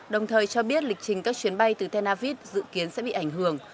đồng thời cho biết lịch trình các chuyến bay từ tel aviv dự kiến sẽ bị ảnh hưởng